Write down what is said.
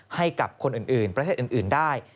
ให้กับคนอื่นประเทศอื่นได้